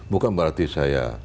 bukan berarti saya